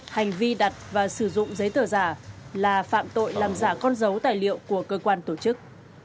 hành vi đặt và sử dụng giấy tờ giả là phạm tội làm giả con dấu tài liệu của cơ quan tổ chức